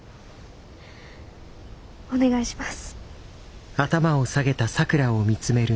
お願いします。